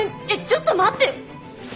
えっちょっと待って。